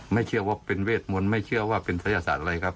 ไม่เชื่อว่าเป็นเวทมนต์ไม่เชื่อว่าเป็นศัยศาสตร์อะไรครับ